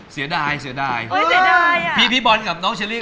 มีคุณเบส